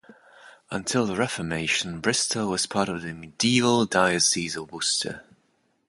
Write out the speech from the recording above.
Until the Reformation, Bristol was part of the medieval Diocese of Worcester.